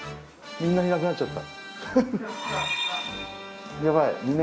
みんないなくなっちゃった。